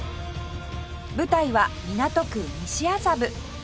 舞台は港区西麻布